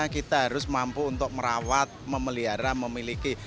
kita harus mampu untuk merawat memelihara memiliki